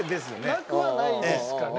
なくはないですかね。